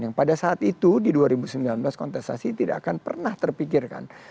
yang pada saat itu di dua ribu sembilan belas kontestasi tidak akan pernah terpikirkan